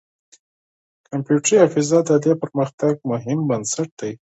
کمپيوټري حافظه د دې پرمختګ مهم بنسټ دی.